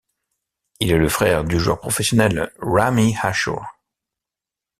Il est le frère du joueur professionnel Ramy Ashour.